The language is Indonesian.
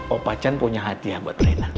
opa chan punya hati ya buat rena